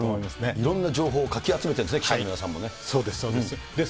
いろんな情報をかき集めてるそうです、そうです。